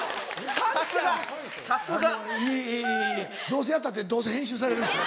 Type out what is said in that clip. どうせやったってどうせ編集されるし。